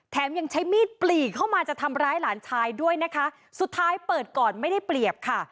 ยังใช้มีดปลีกเข้ามาจะทำร้ายหลานชายด้วยนะคะสุดท้ายเปิดก่อนไม่ได้เปรียบค่ะ